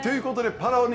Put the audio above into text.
パラオへ？